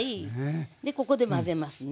ここで混ぜますね。